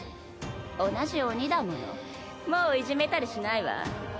同じ鬼だものもういじめたりしないわ。